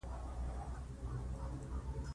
دا د نوښتونو د هڅونې په موخه و.